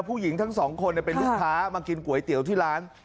ผู้หญิงทั้งสองคนเป็นลูกค้ามากินก๋วยเตี๋ยวที่ร้าน